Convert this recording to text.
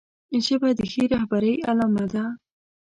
ژبه د ښې رهبرۍ علامه ده